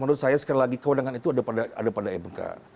menurut saya sekali lagi kewenangan itu ada pada mk